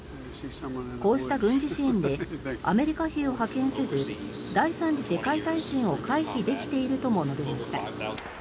こうした軍事支援でアメリカ兵を派遣せず第３次世界大戦を回避できているとも述べました。